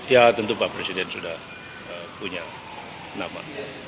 ya tentu pak presiden sudah punya nama